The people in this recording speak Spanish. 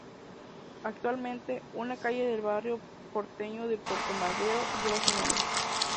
Actualmente, una calle del barrio porteño de Puerto Madero, lleva su nombre.